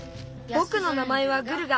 ぼくの名まえはグルガ。